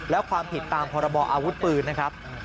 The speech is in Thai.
และความผิดตามพรบออาวุธปืนนะครับ